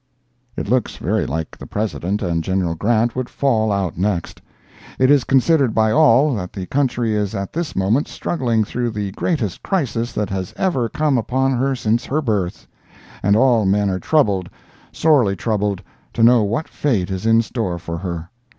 It looks very like the President and General Grant would fall out next. It is considered by all, that the country is at this moment struggling through the greatest crisis that has ever come upon her since her birth; and all men are troubled, sorely troubled, to know what fate is in store for her.